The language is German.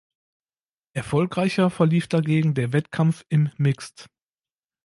Erfolgreicher verlief dagegen der Wettkampf im Mixed.